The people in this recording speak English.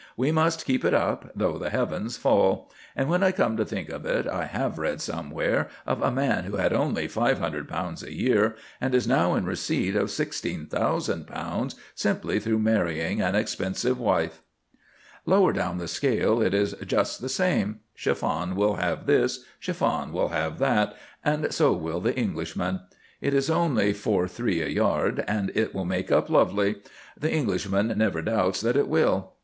We must keep it up, though the heavens fall; and when I come to think of it, I have read somewhere of a man who had only £500 year, and is now in receipt of £16,000 simply through marrying an expensive wife." Lower down the scale it is just the same: Chiffon will have this, Chiffon will have that, and so will the Englishman. It is only four three a yard, and it will make up lovely! The Englishman never doubts that it will.